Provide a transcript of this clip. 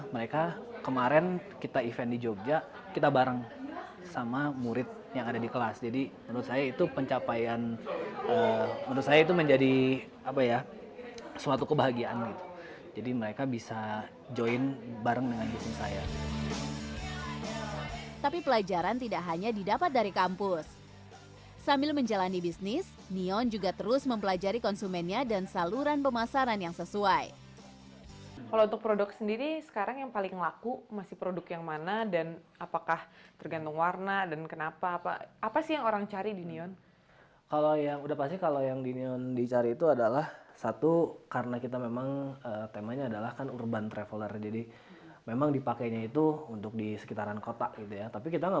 mereka tidak hanya melihat lihat internet namun juga datang ke showroom di bandung